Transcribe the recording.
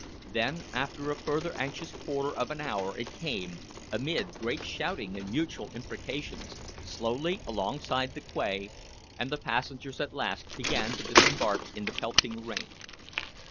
Then after a further anxious quarter of an hour it came, amid great shouting and mutual imprecations, slowly alongside the quay, and the passengers at last began to disembark in the pelting rain.